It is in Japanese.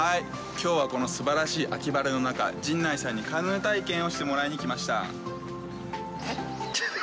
きょうはこのすばらしい秋晴れの中、陣内さんにカヌー体験をしてもらいに来ました。